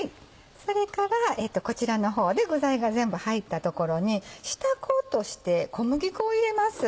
それからこちらの方で具材が全部入ったところに下粉として小麦粉を入れます。